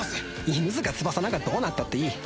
犬塚翼なんかどうなったっていい。